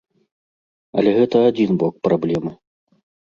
Але гэта адзін бок праблемы.